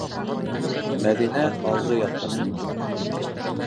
- Мәҙинә алғы яҡҡа сыҡты.